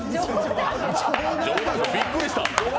びっくりした。